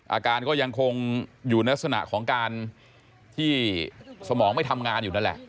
อาการก็ยังคงอยู่ในลักษณะของการที่สมองไม่ทำงานอยู่นั่นแหละ